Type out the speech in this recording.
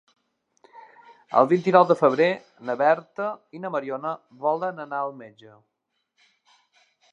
El vint-i-nou de febrer na Berta i na Mariona volen anar al metge.